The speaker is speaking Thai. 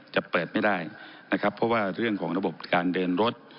จะเปิดไม่ได้นะครับเพราะว่าเรื่องของระบบการเดินรถ